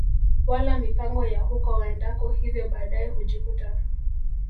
wala mipango ya huko waendako hivyo baadae hujikuta